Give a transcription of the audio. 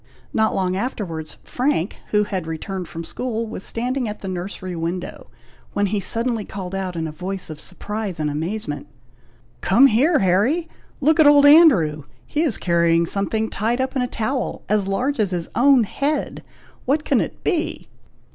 Not long afterwards, Frank, who had returned from school, was standing at the nursery window, when he suddenly called out in a voice of surprise and amazement, "Come here, Harry! look at old Andrew! he is carrying something tied up in a towel, as large as his own head! what can it be?"